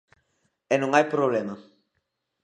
E non hai problema.